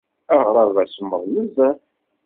Aɣrab-a semmeḍ nezzeh.